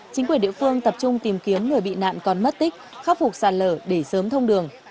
chính quyền địa phương tập trung tìm kiếm người bị nạn còn mất tích khắc phục sạt lở để sớm thông đường